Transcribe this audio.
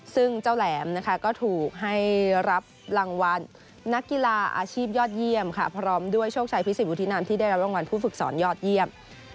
ซึ่งเจ้าแหลมนะคะก็ถูกให้รับรางวัลนักกีฬาอาชีพยอดเยี่ยมค่ะพร้อมด้วยโชคชัยพิสิทวุฒินันที่ได้รับรางวัลผู้ฝึกสอนยอดเยี่ยม